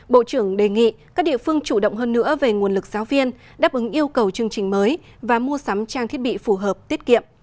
bộ trưởng đề nghị các địa phương chủ động hơn nữa về nguồn lực giáo viên đáp ứng yêu cầu chương trình mới và mua sắm trang thiết bị phù hợp tiết kiệm